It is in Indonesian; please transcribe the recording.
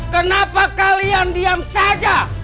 kenapa kalian diam saja